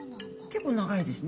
結構長いですね。